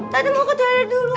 tata mau ke toilet dulu